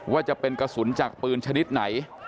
ว่าจะเป็นกระสุนจากปืนชนิดไหน